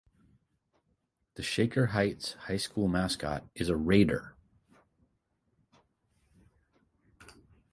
The Shaker Heights High School mascot is a "Raider".